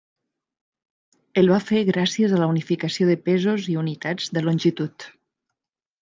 El va fer gràcies a la unificació de pesos i unitats de longitud.